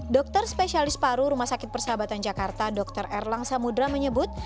dokter spesialis paru rumah sakit persahabatan jakarta dr erlang samudera menyebut